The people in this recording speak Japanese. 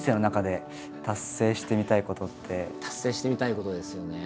達成してみたいことですよね。